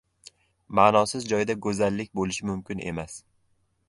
Ma’nosiz joyda go‘zallik bo‘lishi mumkin emas.